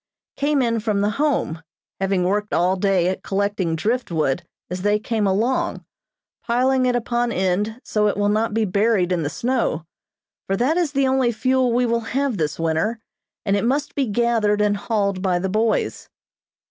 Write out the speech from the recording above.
came in from the Home, having worked all day at collecting driftwood as they came along, piling it upon end so it will not be buried in the snow, for that is the only fuel we will have this winter, and it must be gathered and hauled by the boys.